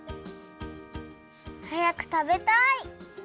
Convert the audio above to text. はやくたべたい！